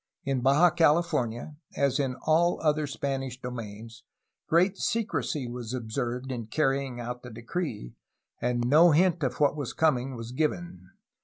In Baja California, as in all other Spanish domains, great secrecy was observed in carrying out the decree, and no hint of what was coming was given.